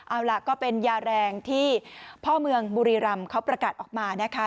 เอาล่ะก็เป็นยาแรงที่พ่อเมืองบุรีรำเขาประกาศออกมานะคะ